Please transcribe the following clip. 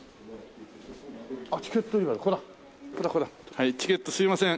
はいチケットすいません。